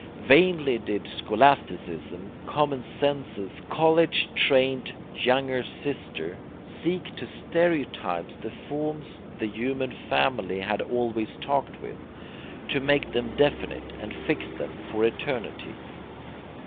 Vainly did scholasticism, common sense's college trained younger sister, seek to stereotype the forms the human family had always talked with, to make them definite and fix them for eternity.